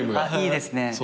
いいですね。